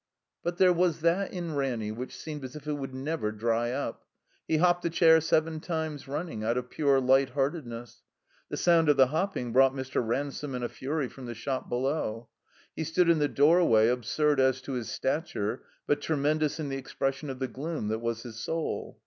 But there was that in Ranny which seemed as if it would never dry up. He hopped a chair seven times running, out of pure light heartedness. The sound of the hopping brought Mr. Ransome in a fury from the shop below. He stood in the doorway, absurd as to his stature, but tremendous in the ex pression of the gloom that was his soul.